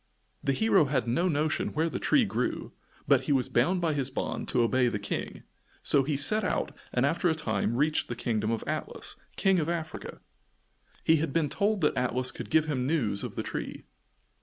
The hero had no notion where the tree grew, but he was bound by his bond to obey the King, so he set out and after a time reached the kingdom of Atlas, King of Africa. He had been told that Atlas could give him news of the tree.